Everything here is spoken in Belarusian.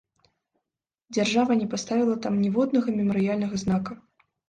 Дзяржава не паставіла там ніводнага мемарыяльнага знака.